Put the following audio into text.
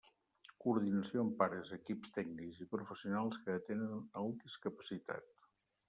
Coordinació amb pares, equips tècnics i professionals que atenen el discapacitat.